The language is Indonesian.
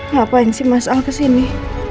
ngapain sih mas al kesini